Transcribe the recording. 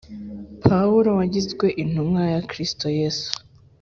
Pawulo wagizwe intumwa ya Kristo Yesu